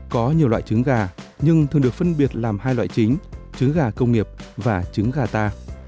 có nhiều loại trứng gà nhưng thường được phân biệt làm hai loại chính trứng gà công nghiệp và trứng gà ta